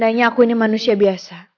kayaknya aku ini manusia biasa